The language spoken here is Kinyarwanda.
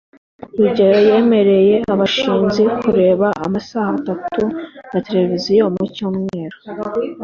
rugeyo yemereye gashinzi kureba amasaha atatu ya tereviziyo mu cyumweru